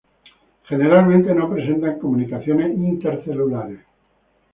Generalmente no presentan comunicaciones intercelulares.